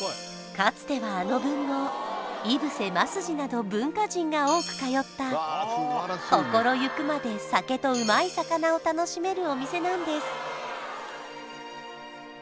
かつてはあの文豪井伏鱒二など文化人が多く通った心ゆくまで酒とうまい魚を楽しめるお店なんです